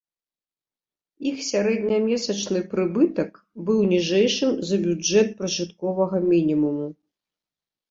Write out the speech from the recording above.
Іх сярэднемесячны прыбытак быў ніжэйшым за бюджэт пражытковага мінімуму.